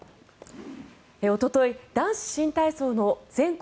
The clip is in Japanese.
おととい、男子新体操の全国